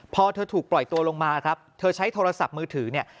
พอเธอถูกปล่อยตัวลงมาครับเธอใช้โทรศัพท์มือถือเนี่ย